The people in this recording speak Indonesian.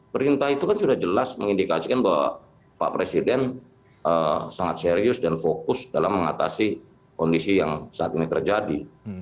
perintah itu kan sudah jelas mengindikasikan bahwa pak presiden sangat serius dan fokus dalam mengatasi kondisi yang saat ini terjadi